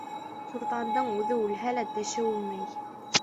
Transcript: Суртандың үҙе үлһә лә, теше үлмәй.